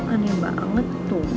aneh banget tuh ben